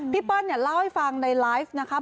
พี่เปิ้ลเล่าให้ฟังในไลฟ์นะคะ